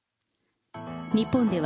日本では、